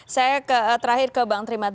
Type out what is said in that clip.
saya terakhir ke bang trimat